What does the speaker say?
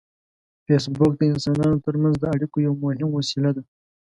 فېسبوک د انسانانو ترمنځ د اړیکو یو مهم وسیله ده